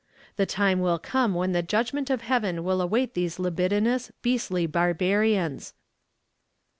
The time will come when the judgment of Heaven will await these libidinous, beastly barbarians.